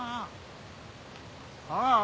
ああ。